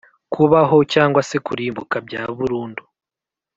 Kubaho cgse kurimbuka byaburundu